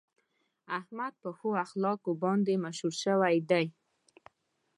احمد په ښو اخلاقو باندې مشهور شوی دی.